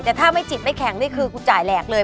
แต่ถ้าไม่จิตไม่แข็งนี่คือกูจ่ายแหลกเลย